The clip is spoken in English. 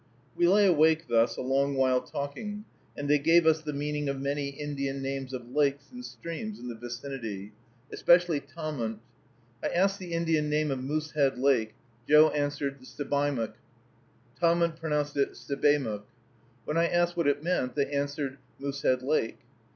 We lay awake thus a long while talking, and they gave us the meaning of many Indian names of lakes and streams in the vicinity, especially Tahmunt. I asked the Indian name of Moosehead Lake. Joe answered Sebamook; Tahmunt pronounced it Sebemook. When I asked what it meant, they answered, Moosehead Lake.